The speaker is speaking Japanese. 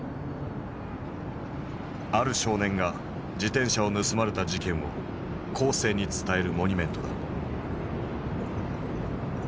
ある少年が自転車を盗まれた事件を後世に伝えるモニュメントだ。